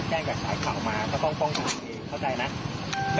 เย็นเย็นจะตรวจรถ